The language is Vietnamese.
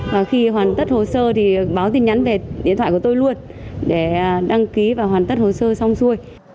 và khi hoàn tất hồ sơ thì báo tin nhắn về điện thoại của tôi luôn để đăng ký và hoàn tất hồ sơ xong xuôi